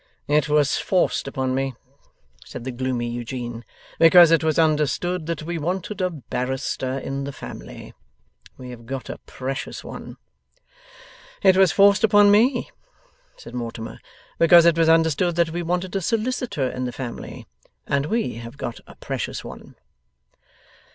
'It was forced upon me,' said the gloomy Eugene, 'because it was understood that we wanted a barrister in the family. We have got a precious one.' 'It was forced upon me,' said Mortimer, 'because it was understood that we wanted a solicitor in the family. And we have got a precious one.